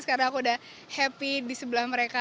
sekarang aku udah happy di sebelah mereka